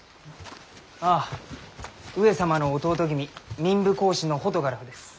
あぁ上様の弟君民部公子のホトガラフです。